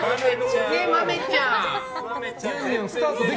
豆ちゃん。